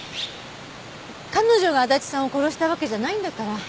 彼女が足立さんを殺したわけじゃないんだから。